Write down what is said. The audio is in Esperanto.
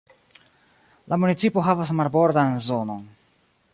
La municipo havas marbordan zonon.